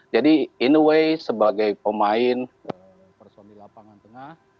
jadi in a way sebagai pemain personil lapangan tengah